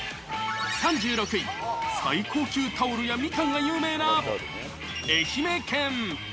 ３６位、最高級タオルやみかんが有名な愛媛県。